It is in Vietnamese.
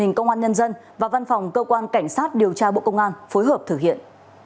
công an nhân dân và văn phòng cơ quan cảnh sát điều tra bộ công an phối hợp thực hiện